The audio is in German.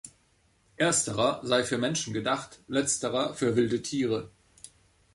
Ersterer sei für Menschen gedacht, letzterer für wilde Tiere.